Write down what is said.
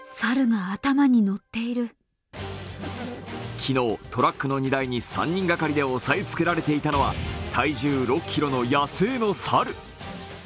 昨日、トラックの荷台に３人掛かりで押さえつけられていたのは体重６ｋｇの野生の猿。